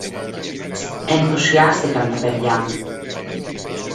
Ενθουσιάστηκαν τα παιδιά